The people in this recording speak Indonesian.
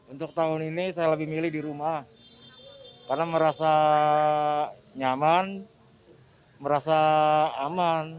untuk tahun ini saya lebih milih di rumah karena merasa nyaman merasa aman